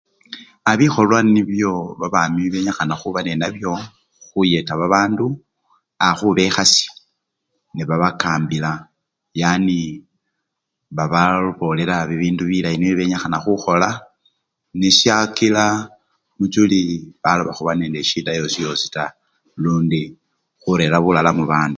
A! bikholwa nibyo babami benyikhana khuba ninabyo, khuyeta babandu obakhubekhasya nebabakambila yani bababolela bibindu bilayi nibyo benyikhana khukhola nesyakila muchuli baloba khuba nende esyida yosiyosichana taa lundi khurera bulala mubandu.